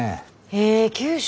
へえ九州。